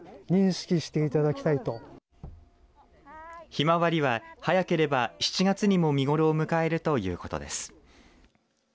ひまわりは、早ければ７月にも見頃を迎えるということです。